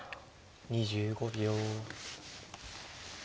２５秒。